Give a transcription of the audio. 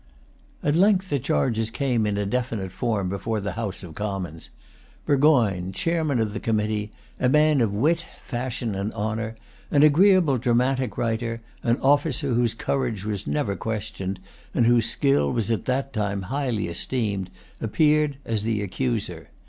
At length the charges came in a definite form before the House of Commons. Burgoyne, chairman of the committee, a man of wit, fashion, and honour, an agreeable dramatic writer, an officer whose courage was never questioned, and whose skill was at that time highly esteemed, appeared as the accuser.